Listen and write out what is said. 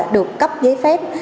được cấp giấy phép